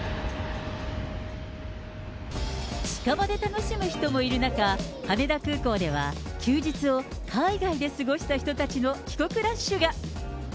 近場で楽しむ人もいる中、羽田空港では、休日を海外で過ごした人たちの帰国ラッシュが。